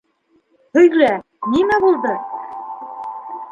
Һөйлә, нимә булды?!